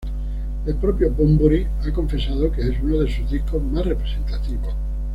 El propio Bunbury ha confesado que es uno de sus discos más representativos.